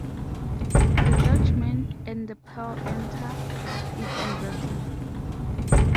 The "Dutchman" and the "Pearl" enter it and battle.